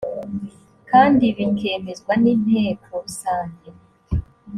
kandi bikemezwa n’inteko rusange